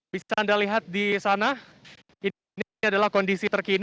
bisa anda lihat di sana ini adalah kondisi terkini